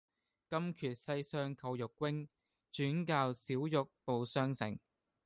金闕西廂叩玉扃，轉教小玉報雙成。